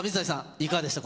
いかがでしたか？